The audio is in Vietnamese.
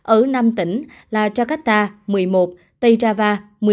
ở năm tỉnh là jakarta một mươi một tejava một mươi một